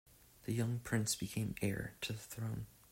The young prince became heir to the throne.